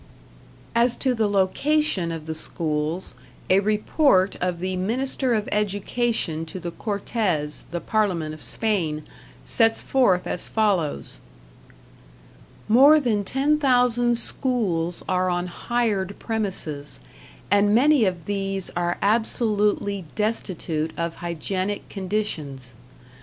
As to the location of the schools, a report of the Minister of Education to the Cortes, the Parliament of Spain, sets forth as follows: More than 10,000 schools are on hired premises, and many of these are absolutely destitute of hygienic conditions.